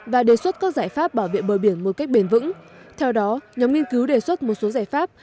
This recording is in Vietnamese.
và đề xuất các giải pháp bảo vệ bờ biển một cách bền vững theo đó nhóm nghiên cứu đề xuất một số giải pháp